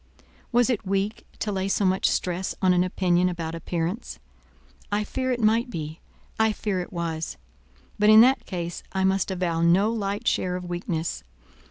Was it weak to lay so much stress on an opinion about appearance? I fear it might be; I fear it was; but in that case I must avow no light share of weakness.